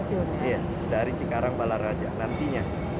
iya dari cikarang balaraja nantinya